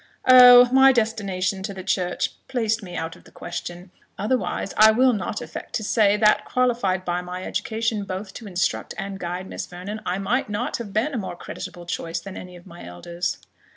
"Oh, my destination to the church placed me out of the question; otherwise I will not affect to say, that, qualified by my education both to instruct and guide Miss Vernon, I might not have been a more creditable choice than any of my elders."